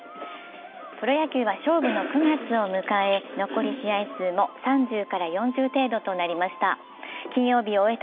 プロ野球は勝負の９月を迎え残り試合数も３０から４０程度となりました。